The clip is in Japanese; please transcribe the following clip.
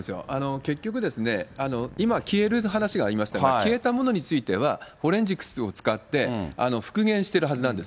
結局、今、消える話がありましたが、消えたものについては、オレンジクスを使って復元してるはずなんです。